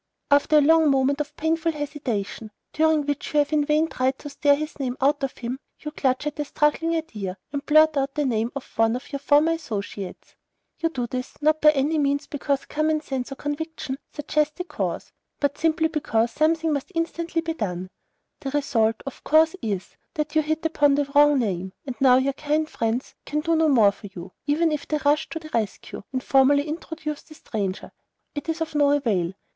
After a long moment of painful hesitation, during which you have in vain tried to stare his name out of him, you clutch at a struggling idea, and blurt out the name of one of your former associates. You do this, not by any means because common sense or conviction suggest the course, but simply because something must instantly be done. The result, of course, is, that you hit upon the wrong name; and now your kind friends can do no more for you; even if they rush to the rescue, and formally introduce the stranger, it is of no avail.